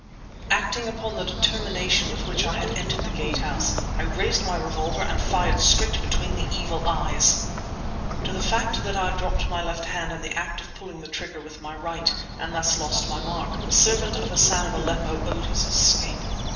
Acting upon the determination with which I had entered the Gate House, I raised my revolver and fired straight between the evil eyes! To the fact that I dropped my left hand in the act of pulling the trigger with my right, and thus lost my mark, the servant of Hassan of Aleppo owed his escape.